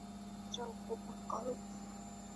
বাকি যাত্রা উপভোগ করো।